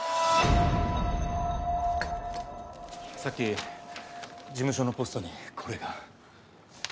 さっき事務所のポストにこれが。